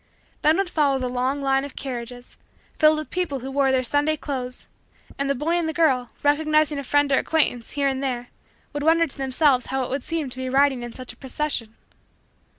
Then would follow the long line of carriages, filled with people who wore their Sunday clothes; and the boy and the girl, recognizing a friend or acquaintance, here and there, would wonder to themselves how it would seem to be riding in such a procession.